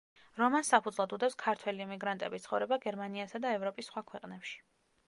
რომანს საფუძვლად უდევს ქართველი ემიგრანტების ცხოვრება გერმანიასა და ევროპის სხვა ქვეყნებში.